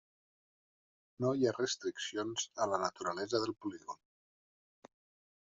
No hi ha restriccions a la naturalesa del polígon.